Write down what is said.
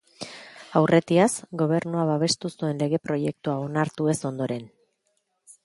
Aurretiaz, gobernua babestu zuen lege-proiektua onartu ez ondoren.